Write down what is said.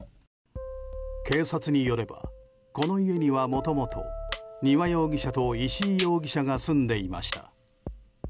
警察によればこの家にはもともと丹羽容疑者と石井容疑者が住んでいました。